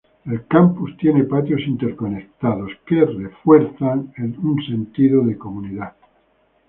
El campus tiene patios interconectados patios para enfatizar un sentido de comunidad.